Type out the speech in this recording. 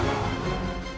jaga dewa batara